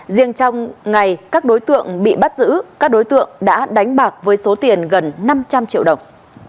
riêng trong ngày các đối tượng bị bắt giữ các đối tượng đã đánh bạc với số tiền gần năm trăm linh triệu đồng